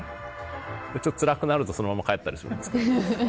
ちょっとつらくなるとそのまま帰ったりするんですけど。